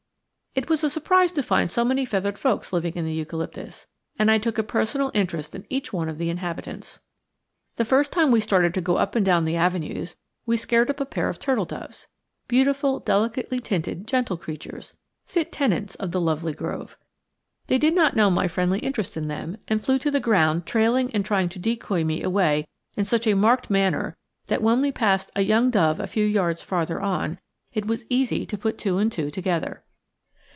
It was a surprise to find so many feathered folks living in the eucalyptus, and I took a personal interest in each one of the inhabitants. The first time we started to go up and down the avenues we scared up a pair of turtle doves, beautiful, delicately tinted gentle creatures, fit tenants of the lovely grove. They did not know my friendly interest in them, and flew to the ground trailing and trying to decoy me away in such a marked manner that when we passed a young dove a few yards farther on, it was easy to put two and two together.